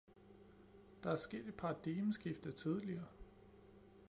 Der er sket et paradigmeskifte tidligere